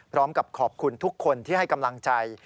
พร้อมกับขอบคุณทุกคนที่ให้กำลังใจ